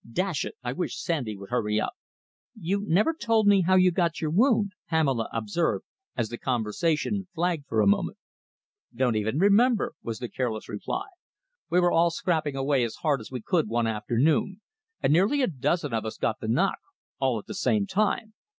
Dash it, I wish Sandy would hurry up!" "You never told me how you got your wound," Pamela observed, as the conversation flagged for a moment. "Can't even remember," was the careless reply. "We were all scrapping away as hard as we could one afternoon, and nearly a dozen of us got the knock, all at the same time.